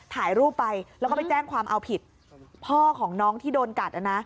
ถ่ายรูปไปแล้วก็ไปแจ้งความเอาผิดพ่อของน้องที่โดนกัดนะ